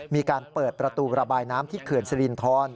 มีการเปิดประตูระบายน้ำที่เขื่อนสิรินทร